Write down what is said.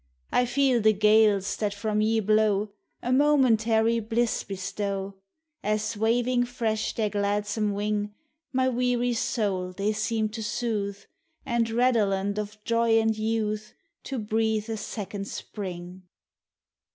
I feel the gales that from ye blow A momentary bliss bestow, As waving fresh their gladsome wing, My weary soul they seem to soothe, And, redolent of joy and youth, To breathe a second spring.